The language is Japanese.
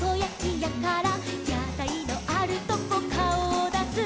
「やたいのあるとこかおをだす」